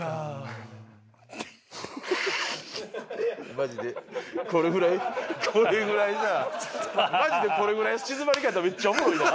マジでこれぐらいこれぐらいさマジでこれぐらい静まり返ったらめっちゃおもろいな。